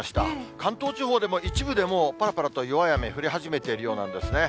関東地方でも、一部でもう、ぱらぱらと弱い雨、降り始めているようなんですね。